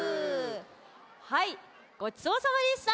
はいごちそうさまでした。